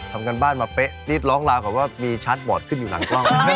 ทำการบ้านมาเป๊ะนี่ร้องราวก่อนว่ามีชาร์จบอร์ตขึ้นอยู่หลังกล้อง